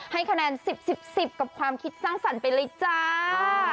ให้คะแนน๑๐๑๐๑๐กับความคิดสร้างสรรค์ไปเลยจ้า